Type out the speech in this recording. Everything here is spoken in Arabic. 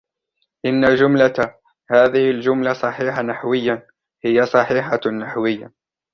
إن جملة " هذه الجملة صحيحة نحوياً "، هي صحيحة نحوياً.